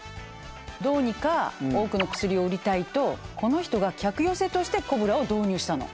どうにか多くの薬を売りたいとこの人が客寄せとしてコブラを導入したの。